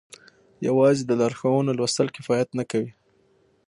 يوازې د لارښوونو لوستل کفايت نه کوي.